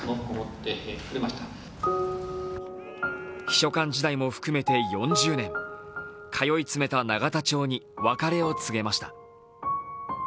秘書官時代も含めて４０年、通い詰めた永田町に別れを告げました。